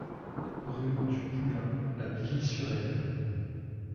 Rue du Poulain à Billy-sur-Aisne